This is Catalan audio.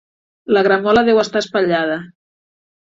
La gramola deu estar espatllada.